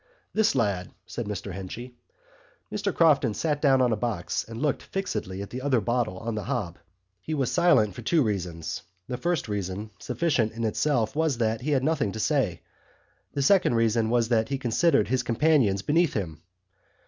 "This lad," said Mr Henchy. Mr Crofton sat down on a box and looked fixedly at the other bottle on the hob. He was silent for two reasons. The first reason, sufficient in itself, was that he had nothing to say; the second reason was that he considered his companions beneath him.